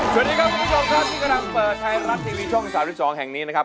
สวัสดีครับคุณผู้ชมครับที่กำลังเปิดไทยรัฐทีวีช่อง๓๒แห่งนี้นะครับ